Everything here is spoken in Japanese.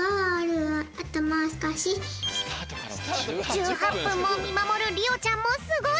１８ぷんもみまもるりおちゃんもすごい！